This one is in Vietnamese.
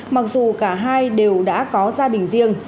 mặc dù cả hai đều đã có gia đình riêng